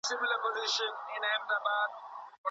ولي کوښښ کوونکی د مخکښ سړي په پرتله لاره اسانه کوي؟